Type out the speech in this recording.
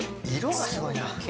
色がすごいな。